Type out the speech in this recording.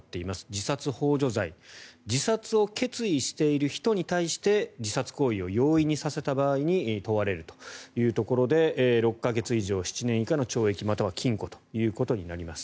自殺ほう助罪自殺を決意している人に対して自殺行為を容易にさせた場合に問われるというところで６か月以上７年以下の懲役または禁錮となります。